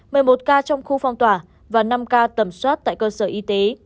một mươi một ca trong khu phong tỏa và năm ca tầm soát tại cơ sở y tế